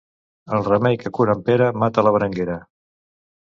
El remei que cura en Pere mata la Berenguera.